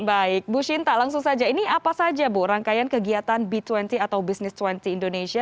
baik bu shinta langsung saja ini apa saja bu rangkaian kegiatan b dua puluh atau business dua puluh indonesia